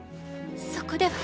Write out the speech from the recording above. そこでは。